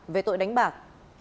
về tội đánh bạc